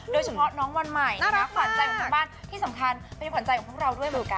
โดยเฉพาะน้องวันใหม่นะคะขวัญใจของทั้งบ้านที่สำคัญเป็นขวัญใจของพวกเราด้วยเหมือนกัน